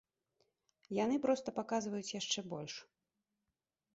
Яны проста паказваюць яшчэ больш.